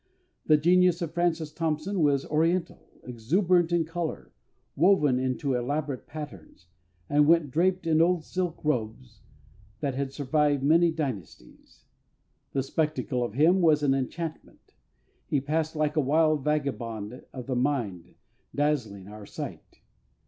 The genius of FRANCIS THOMPSON was Oriental, exuberant in colour, woven into elaborate patterns, and went draped in old silk robes, that had survived many dynasties. The spectacle of him was an enchantment; he passed like a wild vagabond of the mind, dazzling our sight.